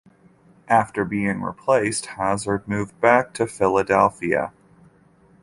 After being replaced, Hazard moved back to Philadelphia.